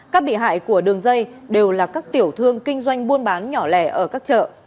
các bị hại của đường dây đều là các tiểu thương kinh doanh buôn bán nhỏ lẻ ở các chợ